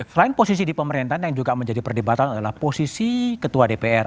selain posisi di pemerintahan yang juga menjadi perdebatan adalah posisi ketua dpr